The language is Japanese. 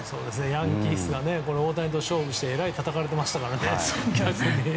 ヤンキースは大谷と勝負してえらいたたかれていましたからね。